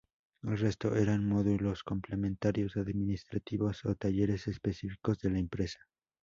El resto eran módulos complementarios, administrativos o talleres específicos de la empresa.